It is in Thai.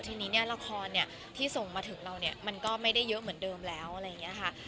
ทีนี้เนี่ยละครเนี่ยที่ส่งมาถึงเราเนี่ยมันก็ไม่ได้เยอะเหมือนเดิมแล้วอะไรอย่างนี้ค่ะ